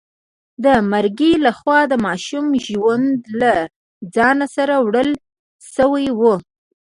د مرګي لخوا د ماشوم ژوند له ځان سره وړل شوی و.